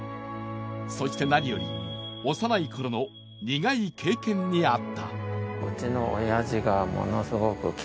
そして何より幼いころの苦い経験にあった。